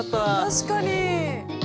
確かに！